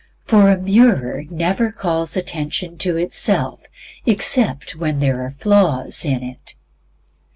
For a mirror never calls the attention to itself except when there are flaws in it.